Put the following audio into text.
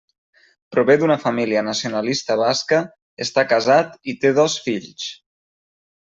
Prové d'una família nacionalista basca, està casat i té dos fills.